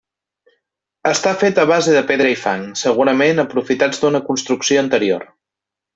Està fet a base de pedra i fang, segurament aprofitats d'una construcció anterior.